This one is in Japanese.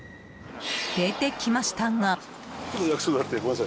出てきましたが。